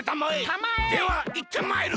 たまえ！ではいってまいる！